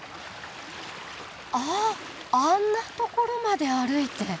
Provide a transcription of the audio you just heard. あっあんな所まで歩いて。